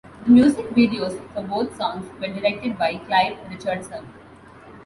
The music videos for both songs were directed by Clive Richardson.